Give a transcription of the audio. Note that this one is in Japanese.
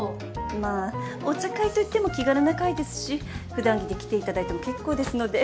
まあお茶会といっても気軽な会ですし普段着で来ていただいても結構ですので